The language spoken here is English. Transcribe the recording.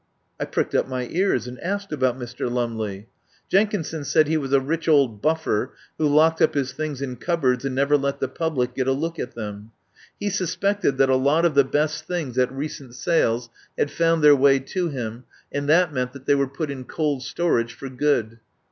I pricked up my ears and asked about Mr. Lumley. Jenkinson said he was a rich old buffer who locked up his things in cupboards and never let the public get a look at them. He sus pected that a lot of the best things at recent 42 I FIRST HEAR OF ANDREW LUMLEY sales had found their way to him, and that meant that they were put in cold storage for good.